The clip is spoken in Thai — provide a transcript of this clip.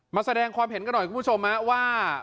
มาแสดงความเห็นกันหน่อยคุณผู้ชมว่า